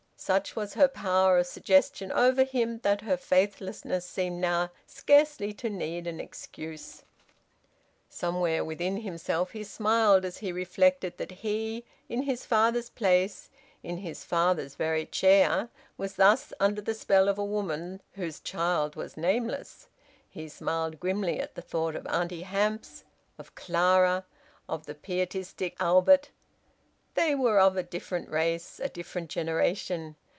Such was her power of suggestion over him that her faithlessness seemed now scarcely to need an excuse. (Somewhere within himself he smiled as he reflected that he, in his father's place, in his father's very chair, was thus under the spell of a woman whose child was nameless. He smiled grimly at the thought of Auntie Hamps, of Clara, of the pietistic Albert! They were of a different race, a different generation!